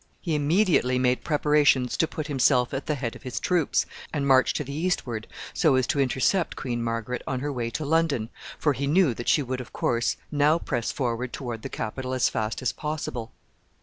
He immediately made preparations to put himself at the head of his troops, and march to the eastward, so as to intercept Queen Margaret on her way to London, for he knew that she would, of course, now press forward toward the capital as fast as possible.